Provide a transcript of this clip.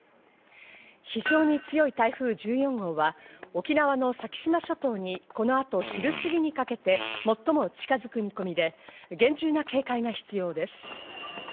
非常に強い台風１４号は沖縄の先島諸島にこの後、昼すぎにかけて最も近づく見込みで、厳重な警戒が必要です。